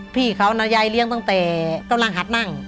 พี่เขานะยายเลี้ยงตั้งแต่กำลังหัดนั่ง